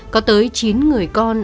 có tới chín người con